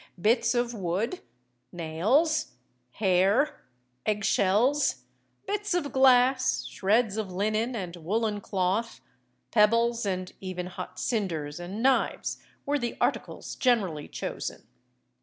Bits of wood, nails, hair, egg shells, bits of glass, shreds of linen and woollen cloth, pebbles, and even hot cinders and knives, were the articles generally chosen.